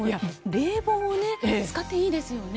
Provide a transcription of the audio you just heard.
冷房を使っていいですよね。